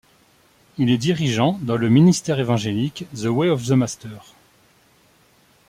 Il est dirigeant dans le ministère évangélique The Way of the Master.